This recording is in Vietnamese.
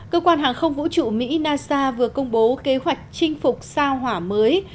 cơ quan hàng không vũ trụ mỹ nasa vừa công bố kế hoạch chinh phục sao hỏa mới